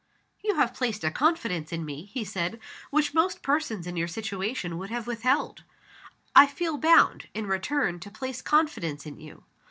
"You have placed a confidence in me," he said "which most persons in your situation would have withheld. I feel bound, in return to place confidence in you.